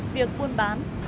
việc buôn bán